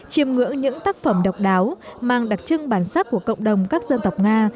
chiêm ngưỡng những tác phẩm độc đáo mang đặc trưng bản sắc của cộng đồng các dân tộc nga